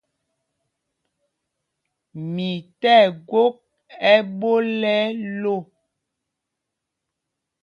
Mi tí ɛgwok ɛ́ɓól ɛ lō.